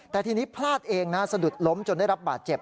แต่ทีนี้พลาดเองนะสะดุดล้มจนได้รับบาดเจ็บ